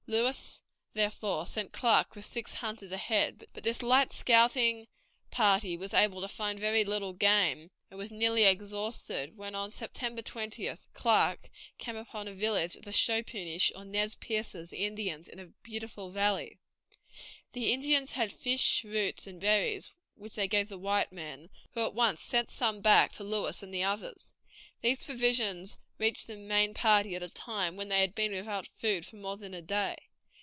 Lewis, therefore, sent Clark with six hunters ahead, but this light scouting party was able to find very little game, and was nearly exhausted, when on September 20th Clark came upon a village of the Chopunish or Nez Percés Indians, in a beautiful valley. These Indians had fish, roots, and berries, which they gave the white men, who at once sent some back to Lewis and the others. These provisions reached the main party at a time when they had been without food for more than a day.